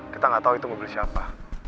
kita gak tau itu mobil siapa